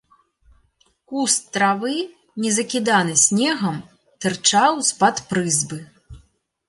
Куст травы, не закіданы снегам, тырчаў з-пад прызбы.